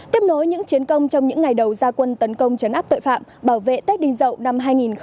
tiếp nối những chiến công trong những ngày đầu gia quân tấn công chấn áp tội phạm bảo vệ tết đình dậu năm hai nghìn một mươi bảy